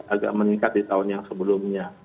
agak meningkat di tahun yang sebelumnya